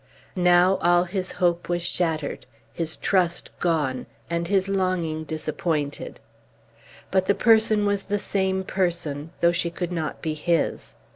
Now all his hope was shattered, his trust was gone, and his longing disappointed. But the person was the same person, though she could not be his.